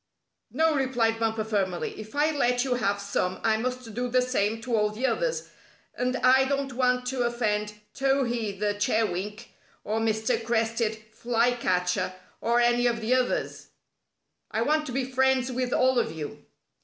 "No," replied Bumper firmly, "if I let you have some I must do the same to all the others, and I don't want to offend Towhee the Chewink or Mr. Crested Flycatcher or any of the others. I want to be friends with all of you."